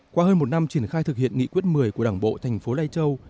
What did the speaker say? qua hơn một năm triển khai thực hiện nghị quyết một mươi của đảng bộ tp lây châu